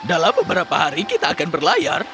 dalam beberapa hari kita akan berlayar